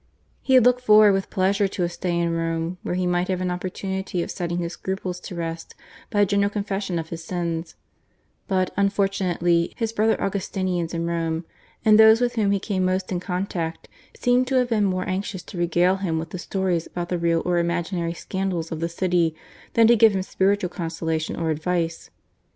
He had looked forward with pleasure to a stay in Rome, where he might have an opportunity of setting his scruples to rest by a general confession of his sins, but, unfortunately, his brother Augustinians in Rome and those with whom he came most in contact seemed to have been more anxious to regale him with stories about the real or imaginary scandals of the city than to give him spiritual consolation or advice.